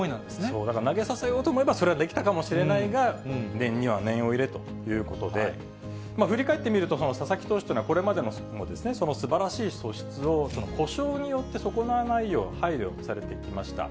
そう、だから投げさせようと思えば、それはできたかもしれないが、念には念を入れということで、振り返ってみると、佐々木投手っていうのは、これまでもそのすばらしい素質を、故障によって損なわないよう、配慮されてきました。